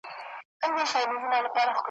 چي د ده د ژوند مالي اړتیاوي دي پوره کړي .